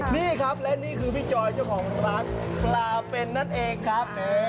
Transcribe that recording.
นี่ครับและนี่คือพี่จอยเจ้าของร้านปลาเป็นนั่นเองครับ